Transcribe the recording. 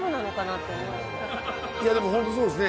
いやでもホントそうですね